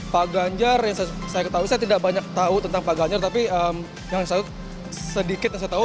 pak ganjar yang saya ketahui saya tidak banyak tahu tentang pak ganjar tapi yang satu sedikit yang saya tahu